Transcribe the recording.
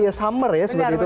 ya summer ya seperti itu